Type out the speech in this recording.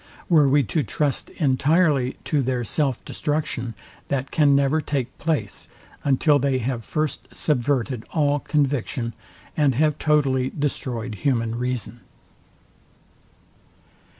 Were we to trust entirely to their self destruction, that can never take place, until they have first subverted all conviction, and have totally destroyed human reason.